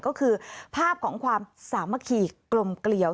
คือภาพของความสามารถกรอบกำลังเกลียว